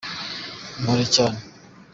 impore cyane.